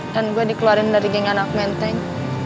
dan gue dikeluarin dari geng anak menteng